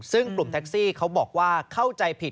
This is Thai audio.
ซึ่งกลุ่มแท็กซี่เขาบอกว่าเข้าใจผิด